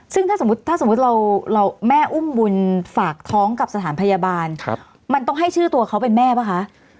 ซึ่งถ้าสมมุติถ้าสมมุติเราแม่อุ้มบุญฝากท้องกับสถานพยาบาลมันต้องให้ชื่อตัวเขาเป็นแม่ป่ะคะ